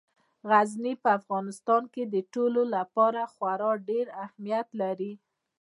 غزني په افغانستان کې د ټولو لپاره خورا ډېر اهمیت لري.